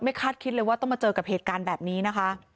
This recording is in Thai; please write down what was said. คาดคิดเลยว่าต้องมาเจอกับเหตุการณ์แบบนี้นะคะ